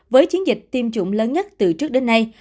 với chiến dịch tiêm chủng lớn nhất từ trước đến nay